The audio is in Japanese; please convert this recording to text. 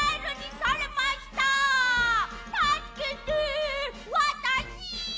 『たすけて！わたし』」。